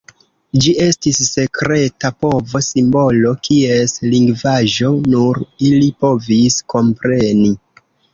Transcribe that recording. Ĝi estis sekreta povo-simbolo kies lingvaĵo nur ili povis kompreni.